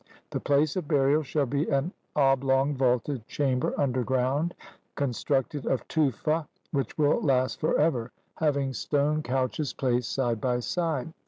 The place of burial shall be an oblong vaulted chamber underground, constructed of tufa, which will last for ever, having stone couches placed side by side.